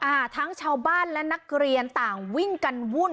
อ่าทั้งชาวบ้านและนักเรียนต่างวิ่งกันวุ่น